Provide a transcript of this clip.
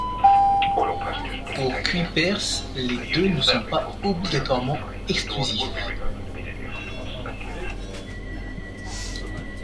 Pour Cuypers, les deux ne sont pas obligatoirement exclusifs.